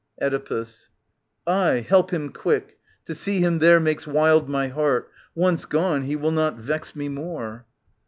Oedipus. Aye, help him quick. — To see him there makes wild My heart. Once gone, he will not vex me more.